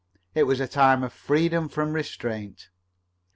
It was a time of freedom from restraint.